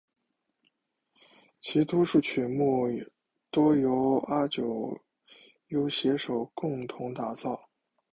其多数曲目多由阿久悠携手共同打造。